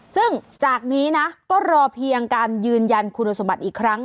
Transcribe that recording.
ซึ่งจากนี้นะก็รอเพียงการยืนยันคุณสมบัติอีกครั้ง